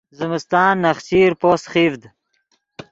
زمستان نخچیر پوست خیڤد